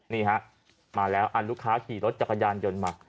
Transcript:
นี่ฮะมาแล้วลูกค้าขี่รถจักรยานยนต์มา